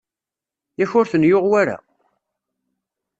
Yak ur ten-yuɣ wara?